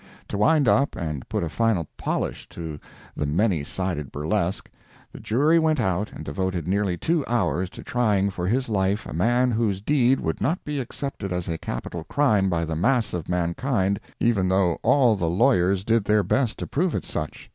To wind up and put a final polish to the many sided burlesque, the jury went out and devoted nearly two hours to trying for his life a man whose deed would not be accepted as a capital crime by the mass of mankind even though all the lawyers did their best to prove it such.